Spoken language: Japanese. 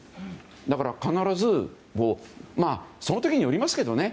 だから、必ずその時によりますけどね